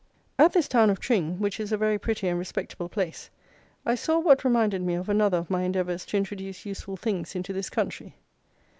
At this town of Tring, which is a very pretty and respectable place, I saw what reminded me of another of my endeavours to introduce useful things into this country.